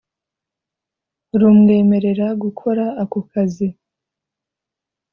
rumwemerera gukora ako kazi